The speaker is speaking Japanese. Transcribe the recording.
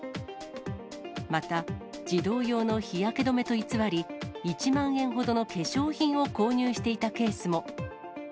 また、児童用の日焼け止めと偽り、１万円ほどの化粧品を購入していたケースも。